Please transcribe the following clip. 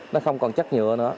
nó không còn chắc nhựa nữa